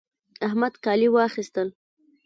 احمد کالي واخيستل